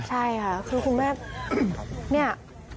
ใช่ค่ะคือคุณแม่เนี่ย